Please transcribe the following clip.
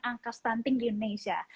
angka stunting di indonesia